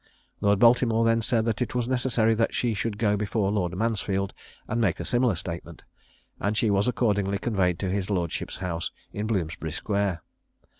Lord Baltimore then said that it was necessary that she should go before Lord Mansfield and make a similar statement, and she was accordingly conveyed to his lordship's house in Bloomsbury square.